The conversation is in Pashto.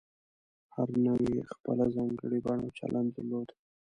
هرې نوعې خپله ځانګړې بڼه او چلند درلود.